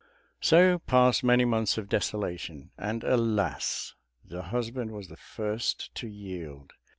So passed many months of desolation, and alas! the husband was the first to yield.